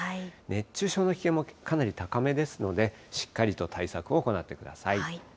熱中症の危険もかなり高めですので、しっかりと対策を行ってください。